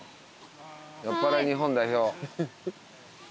酔っぱらい日本代表。